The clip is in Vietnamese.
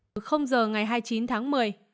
từ h ngày hai mươi chín tháng một mươi